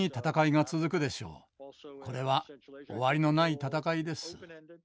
これは終わりのない戦いです。